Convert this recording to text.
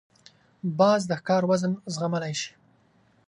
باز د ښکار وزن زغملای شي